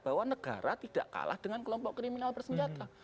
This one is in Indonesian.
bahwa negara tidak kalah dengan kelompok kriminal bersenjata